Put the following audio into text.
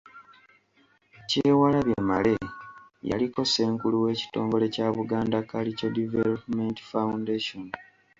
Kyewalabye Male yaliko Ssenkulu w'ekitongole kya Buganda Cultural Development Foundation.